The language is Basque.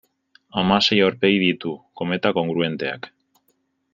Hamasei aurpegi ditu: kometa kongruenteak.